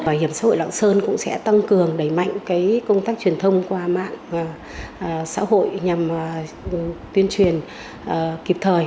bảo hiểm xã hội lạng sơn cũng sẽ tăng cường đẩy mạnh công tác truyền thông qua mạng xã hội nhằm tuyên truyền kịp thời